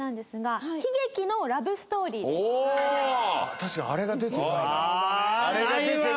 確かにあれが出てないな。